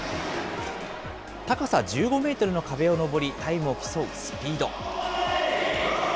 高さ１５メートルの壁を登り、タイムを競うスピード。